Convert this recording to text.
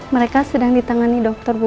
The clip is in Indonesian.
mereka sedang ditangani dokter bu